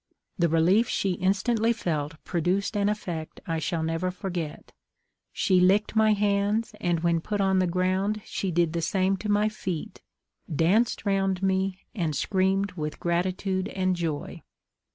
The relief she instantly felt produced an effect I shall never forget; she licked my hands, and when put on the ground she did the same to my feet, danced round me, and screamed with gratitude and joy.